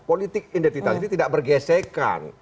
politik identitas itu tidak bergesekan